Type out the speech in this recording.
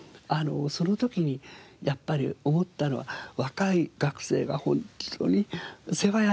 その時にやっぱり思ったのは若い学生がホントに世話焼いてくれるんですよ